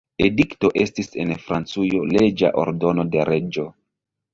Edikto estis en Francujo leĝa ordono de reĝo.